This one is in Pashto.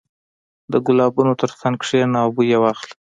• د ګلانو تر څنګ کښېنه او بوی یې واخله.